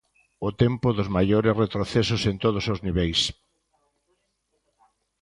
O tempo dos maiores retrocesos en todos os niveis.